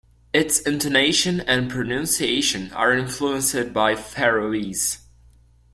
Its intonation and pronunciation are influenced by Faroese.